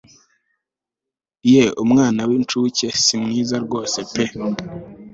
ye umwana w incuke simwiza rwose pe